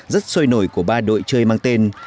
rất sôi nổi của ba đội chơi mang tên